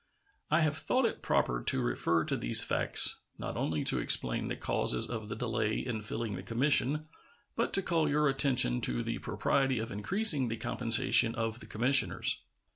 I have thought it proper to refer to these facts, not only to explain the causes of the delay in filling the commission, but to call your attention to the propriety of increasing the compensation of the commissioners.